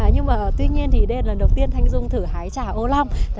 nhưng mà tuy nhiên thì đây là lần đầu tiên thanh dung thử hái trà ô long